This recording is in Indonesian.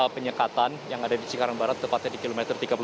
penyekatan yang ada di cikarang barat tepatnya di kilometer tiga puluh